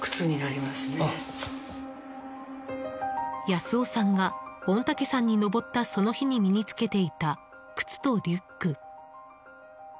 保男さんが御嶽山に登ったその日に身に着けていた靴とリュック。